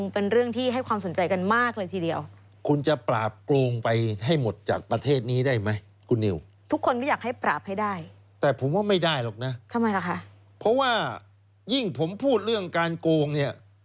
เพราะว่ายิ่งผมพูดเรื่องการโกงเนี่ย